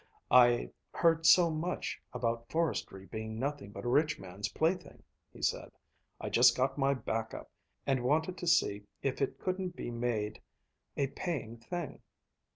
"I heard so much about forestry being nothing but a rich man's plaything," he said. "I just got my back up, and wanted to see if it couldn't be made a paying thing.